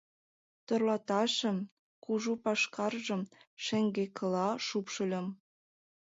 Тӧрлатышым, кужу пашкаржым шеҥгекыла шупшыльым.